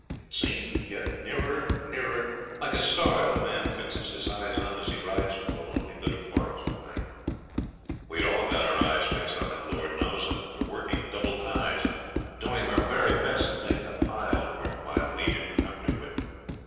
It seemed getting nearer, nearer, like a star that a man fixes his eyes on as he rides through a lonely bit of forest at night. We had all got our eyes fixed on it, Lord knows, and were working double tides, doing our very best to make up a pile worth while leaving the country with.